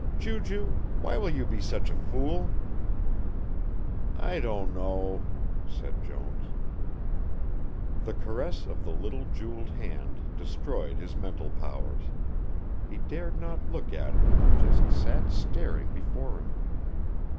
"Ju Ju why will you be such a fool?" "I don't know," said Jones. The caress of the little jewelled hand destroyed his mental powers. He dared not look at her, just sat staring before him.